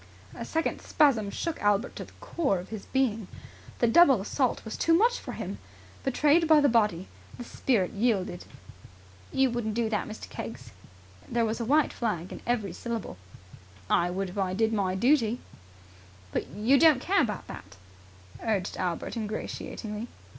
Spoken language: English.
A second spasm shook Albert to the core of his being. The double assault was too much for him. Betrayed by the body, the spirit yielded. "You wouldn't do that, Mr. Keggs!" There was a white flag in every syllable. "I would if I did my duty." "But you don't care about that," urged Albert ingratiatingly.